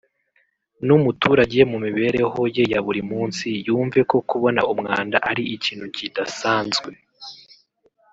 n’umuturage mu mibereho ye ya buri munsi yumve ko kubona umwanda ari ikintu kidasanzwe